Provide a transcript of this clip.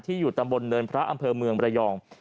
อยู่ตำบลเนินพระอำเภอเมืองระยอง